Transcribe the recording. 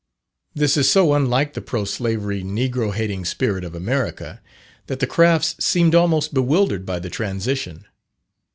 This is so unlike the pro slavery, negro hating spirit of America, that the Crafts seemed almost bewildered by the transition.